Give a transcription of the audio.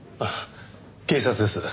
警察です。